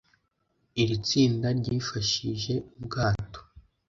iri tsinda ryifashije ubwato